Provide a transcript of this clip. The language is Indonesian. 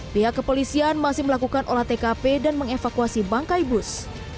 pihak kepolisian masih melakukan olah tkp dan mengevakuasi bangkai bus